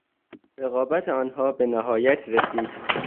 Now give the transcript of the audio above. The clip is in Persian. رقابت آنها به نهایت رسید.